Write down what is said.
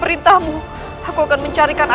akhirnya aku menjadi raja